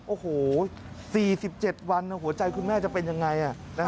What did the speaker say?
โอ้โห๔๗วันหัวใจคุณแม่จะเป็นยังไง